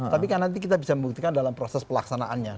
tapi kan nanti kita bisa membuktikan dalam proses pelaksanaannya